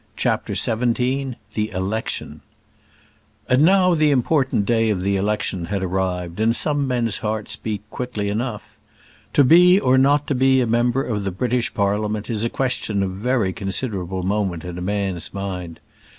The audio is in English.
CHAPTER XVII The Election And now the important day of the election had arrived, and some men's hearts beat quickly enough. To be or not to be a member of the British Parliament is a question of very considerable moment in a man's mind.